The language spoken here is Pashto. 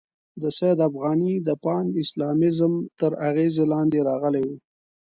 د سید افغاني د پان اسلامیزم تر اغېزې لاندې راغلی وو.